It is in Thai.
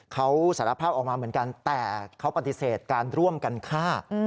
เขาสารภาพออกมาเหมือนกันแต่เขาปฏิเสธการร่วมกันฆ่า